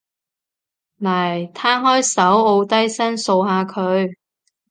嚟，攤開手，摀低身，掃下佢